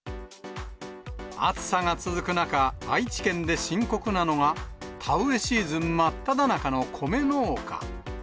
暑さが続く中、愛知県で深刻なのが、田植えシーズン真っただ中の米農家。